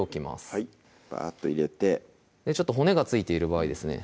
はいバーッと入れて骨が付いている場合ですね